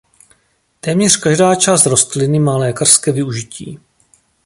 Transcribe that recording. Téměř každá část rostliny má lékařské využití.